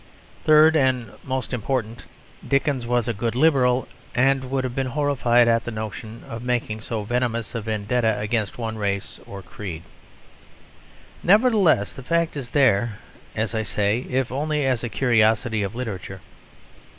Third, and most important, Dickens was a good Liberal, and would have been horrified at the notion of making so venomous a vendetta against one race or creed. Nevertheless the fact is there, as I say, if only as a curiosity of literature.